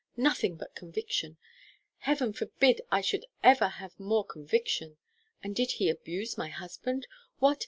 Nothing but conviction! Heaven forbid I should ever have more conviction! And did he abuse my husband? what?